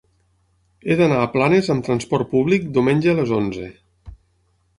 He d'anar a Planes amb transport públic diumenge a les onze.